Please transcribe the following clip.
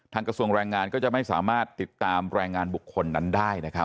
กระทรวงแรงงานก็จะไม่สามารถติดตามแรงงานบุคคลนั้นได้นะครับ